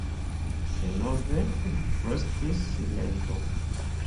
Denove ekfrostis silento.